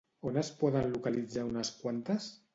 On es poden localitzar unes quantes?